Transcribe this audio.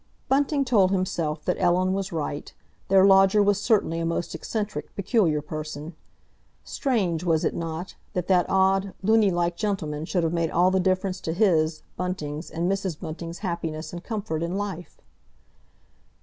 Bunting told himself that Ellen was right. Their lodger was certainly a most eccentric, peculiar person. Strange, was it not, that that odd, luny like gentleman should have made all the difference to his, Bunting's, and Mrs. Bunting's happiness and comfort in life?